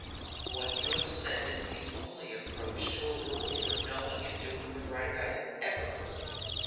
"What you have said is the only approach to a rule for knowing and doing the right I have ever heard.